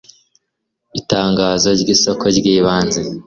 itangazo ry isoko ry ibanze